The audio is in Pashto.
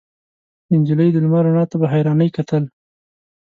نجلۍ د لمر رڼا ته په حيرانۍ کتل.